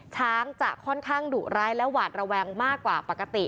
ช้างจะค่อนข้างดุร้ายและหวาดระแวงมากกว่าปกติ